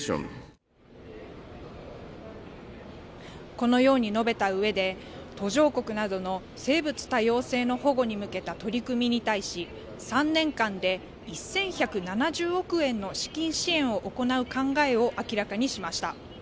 このように述べたうえで、途上国などの生物多様性の保護に向けた取り組みに対し、３年間で１１７０億円の資金支援を行う考えを明らかにしました。